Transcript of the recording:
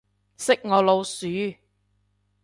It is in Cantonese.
識我老鼠